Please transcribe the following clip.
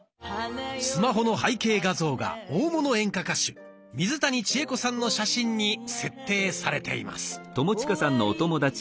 スマホの背景画像が大物演歌歌手水谷千重子さんの写真に設定されています。